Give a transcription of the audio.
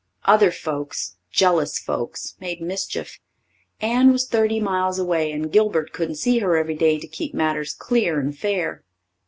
Other folks jealous folks made mischief. Anne was thirty miles away and Gilbert couldn't see her every day to keep matters clear and fair.